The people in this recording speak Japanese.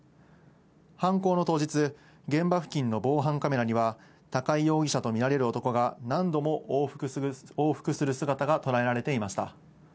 犯行の当日、現場付近の防犯カメラには、高井容疑者と見られる男が何度も往復する姿が捉えられていました。